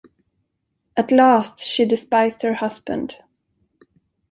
At last she despised her husband.